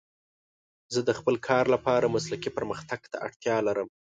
زه د خپل کار لپاره مسلکي پرمختګ ته اړتیا لرم.